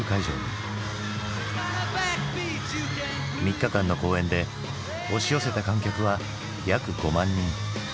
３日間の公演で押し寄せた観客は約５万人。